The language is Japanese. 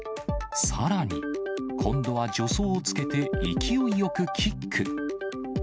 さらに、今度は助走をつけて、勢いよくキック。